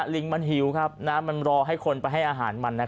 ลิงมันหิวครับมันรอให้คนไปให้อาหารมัน